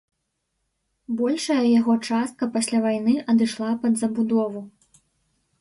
Большая яго частка пасля вайны адышла пад забудову.